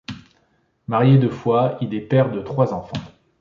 Marié deux fois, il est père de trois enfants.